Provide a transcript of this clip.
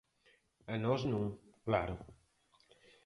A nós non, claro.